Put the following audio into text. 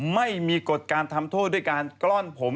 ไม่มีกฎการทำโทษด้วยการกล้อนผม